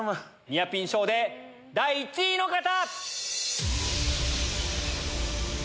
ニアピン賞で第１位の方！